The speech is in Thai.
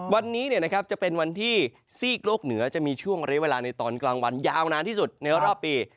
วันนี้จะเป็นวันที่ซีกโลกเหนือจะมีช่วงเรียกเวลาในตอนกลางวันยาวนานที่สุดในรอบปี